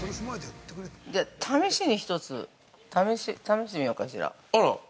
◆試しに１つ試してみようかしら。